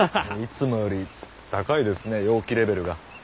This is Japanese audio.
いつもより高いですね陽気レベルが。